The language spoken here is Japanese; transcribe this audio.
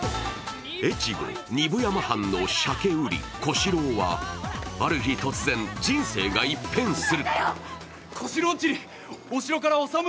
越後・丹生山藩の鮭売り・小四郎はある日、突然、人生が一変する。